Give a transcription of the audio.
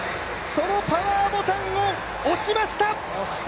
そのパワーボタンを押しました！